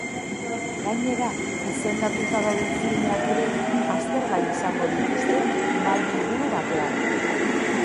Gainera, izendatuta dauden filmeak ere aztergai izango dituzte mahai-inguru batean.